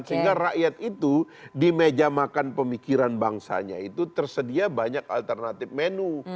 sehingga rakyat itu di meja makan pemikiran bangsanya itu tersedia banyak alternatif menu